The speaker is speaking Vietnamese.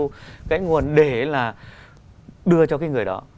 cái nguồn để là đưa cho cái người đó